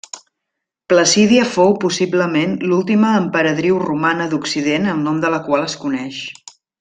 Placídia fou possiblement l'última emperadriu romana d'Occident el nom de la qual es coneix.